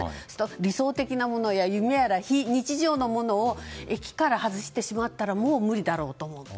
理想的なものや夢やら非日常なものを駅から外してしまったら無理だろうと。